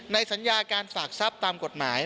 สัญญาการฝากทรัพย์ตามกฎหมาย